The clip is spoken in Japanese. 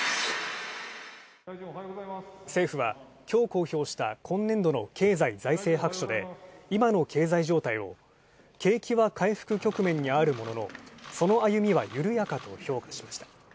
政府は、きょう公表した今年度の経済財政白書で今の経済状態を景気は回復局面にあるもののその歩みは緩やかと評価しました。